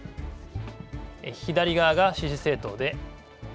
左側が支持政党でです。